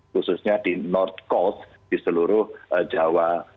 khususnya di north coast di seluruh jawa tengah para